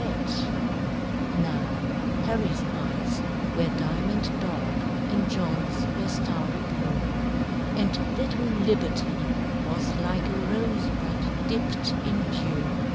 Now Harry's eyes were diamond dark, And John's were starry blue, And little Libbety was like A rosebud dipped in dew.